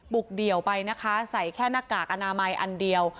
เดี่ยวไปนะคะใส่แค่หน้ากากอนามัยอันเดียว